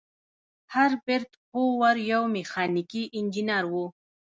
هربرت هوور یو میخانیکي انجینر و.